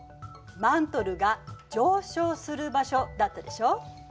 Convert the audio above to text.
マントルが上昇する場所だったでしょ。